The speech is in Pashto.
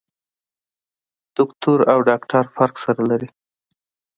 دوکتور او ډاکټر فرق سره لري.